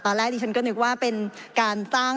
ตอนแรกดูฉันก็นึกว่าเป็นการสร้าง